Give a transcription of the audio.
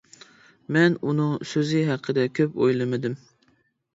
مەن ئۇنىڭ سۆزى ھەققىدە كۆپ ئويلىمىدىم.